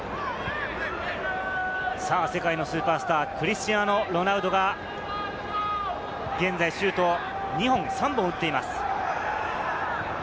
世界のスーパースター、クリスティアーノ・ロナウドが現在シュート３本打っています。